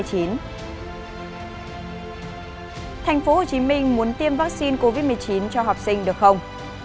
thành phố hồ chí minh muốn tiêm vaccine covid một mươi chín cho học sinh được không